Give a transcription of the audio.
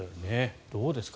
どうですか？